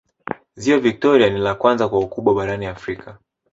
ziwa victoria ni la kwanza kwa ukubwa barani afrika